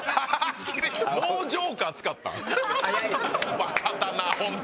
バカだなホントに。